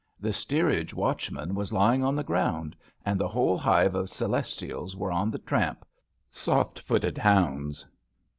The steerage watchman was lying on the ground, and the whole hive of Celestials were on the tramp — soft footed hounds.